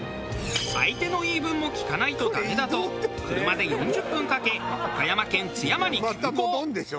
相手の言い分も聞かないとダメだと車で４０分かけ岡山県津山に急行。